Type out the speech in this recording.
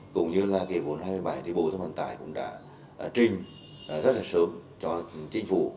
cũng như là cái vốn hai mươi bảy thì bộ giao thông vận tải cũng đã trình rất là sớm cho chính phủ